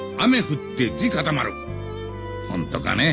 本当かね？